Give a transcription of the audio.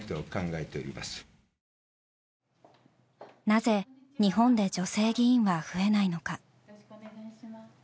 なぜ日本で女性議員は増えないのか。